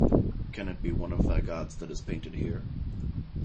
Can it be one of thy gods that is painted here?